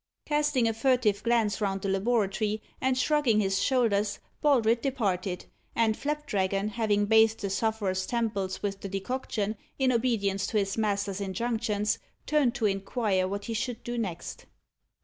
Casting a furtive glance round the laboratory, and shrugging his shoulders, Baldred departed; and Flapdragon having bathed the sufferer's temples with the decoction, in obedience to his master's injunctions, turned to inquire what he should do next.